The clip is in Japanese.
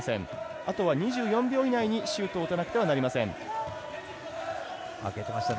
あとは２４秒以内にシュートを打たなくてはなりません。